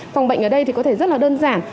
phòng bệnh ở đây thì có thể rất là đơn giản